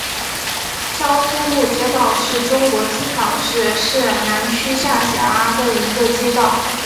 江苏路街道是中国青岛市市南区下辖的一个街道。